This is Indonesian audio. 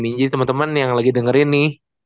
jadi teman teman yang lagi dengerin nih